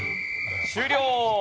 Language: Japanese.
終了！